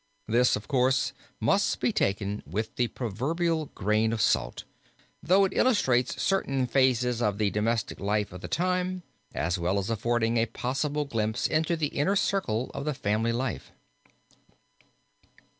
This, of course, must be taken with the proverbial grain of salt, though it illustrates certain phases of the domestic life of the time as well as affording a possible glimpse into the inner circle of the family life.